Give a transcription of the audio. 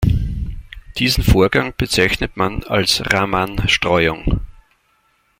Diesen Vorgang bezeichnet man als Raman-Streuung.